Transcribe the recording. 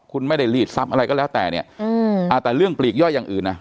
คุณไม่ได้ลีดทรัพย์อะไรก็แล้วแต่เนี่ยแต่เรื่องปลีกย่อยอย่างอื่นนะ